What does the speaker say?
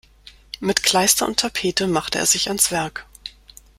Mit Kleister und Tapete machte er sich ans Werk.